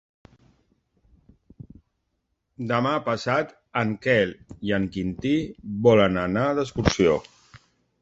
Demà passat en Quel i en Quintí volen anar d'excursió.